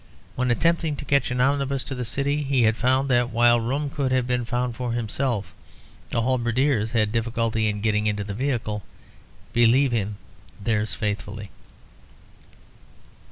When attempting to catch an omnibus to the City, he had found that while room could have been found for himself, the halberdiers had a difficulty in getting in to the vehicle believe him, theirs faithfully.